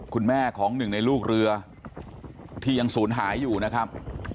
คุณแม่ของหนึ่งในลูกเรือที่ยังศูนย์หายอยู่นะครับ